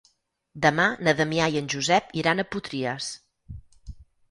Demà na Damià i en Josep iran a Potries.